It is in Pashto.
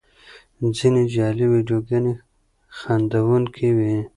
ځینې جعلي ویډیوګانې خندوونکې وي.